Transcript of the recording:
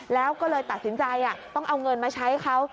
แล้วก็เลยตัดสินใจต้องเอาเงินมาใช้เขา